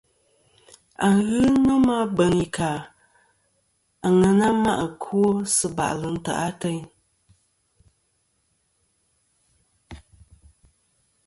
Aghɨ nomɨ a beŋ i ka àŋena ma' ɨkwo sɨ bà'lɨ ntè' ateyn.